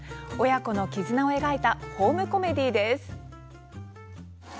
親子の絆を描いたホームコメディーです。